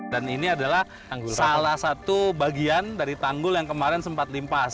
dan ini adalah salah satu bagian dari tanggul yang kemarin sempat limpas